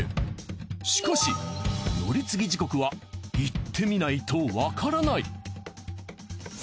しかし乗り継ぎ時刻は行ってみないとわからない。